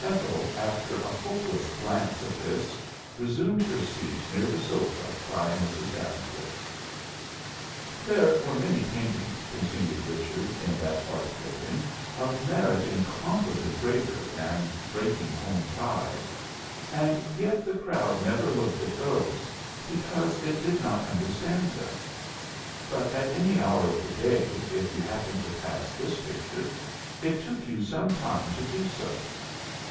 Ethel, after a hopeless glance at this, resumed her seat near the sofa by Mrs. Davenport. "There were many paintings," continued Richard, "in that Art Building, of merit incomparably greater than 'Breaking Home Ties'; and yet the crowd never looked at those, because it did not understand them. But at any hour of the day, if you happened to pass this picture, it took you some time to do so.